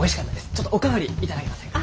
ちょっとお代わり頂けませんか。